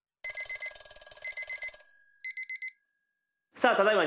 さあただいま